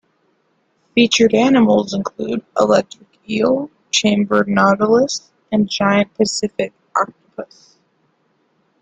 Featured animals include electric eel, chambered nautilus, and giant Pacific octopus.